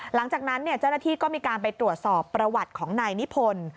หลังจากนั้นเจ้าหน้าที่ก็มีการไปตรวจสอบประวัติของนายนิพนธ์